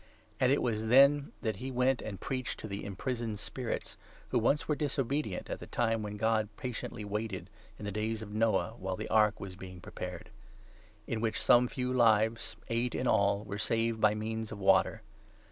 And it was then that 19 he went and preached to the imprisoned spirits, who once were 20 disobedient, at the time when God patiently waited, in the days of Noah, while the ark was being prepared ; in which some few lives, eight in all, were saved by means of water.